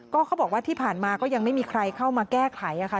ก็เขาบอกว่าที่ผ่านมาก็ยังไม่มีใครเข้ามาแก้ไขค่ะ